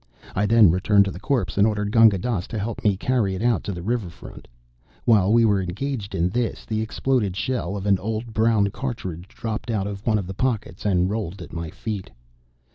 I then returned to the corpse and ordered Gunga Dass to help me to carry it out to the river front. While we were engaged in this, the exploded shell of an old brown cartridge dropped out of one of the pockets and rolled at my feet.